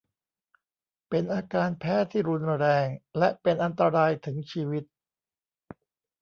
เป็นอาการแพ้ที่รุนแรงและเป็นอันตรายถึงชีวิต